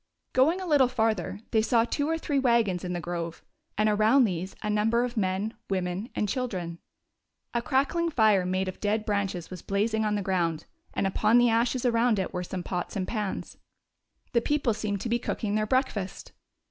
Going a little farther, they saw two or three wagons in the grove, and around these a number of men, wo men and children. A crackling fire made of dead branches was blazing on the ground, and upon the ashes around it were some pots and pans. The people seemed to be cooking their breakfast.